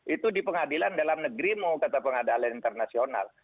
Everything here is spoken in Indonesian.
itu di pengadilan dalam negerimu kata pengadilan internasional